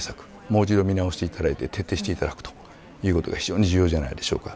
もう一度見直していただいて徹底していただくことが非常に重要じゃないでしょうか。